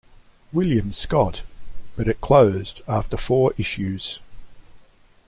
William Scott; but it closed after four issues.